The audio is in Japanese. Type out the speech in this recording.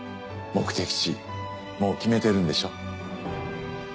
目的地もう決めてるんでしょ？